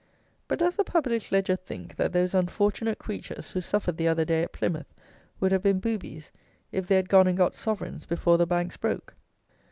But, does the Public Ledger think that those unfortunate creatures who suffered the other day at Plymouth, would have been "boobies," if they had gone and got sovereigns before the banks broke?